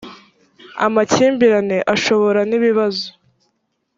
amakimbirane ashobora nibibazo.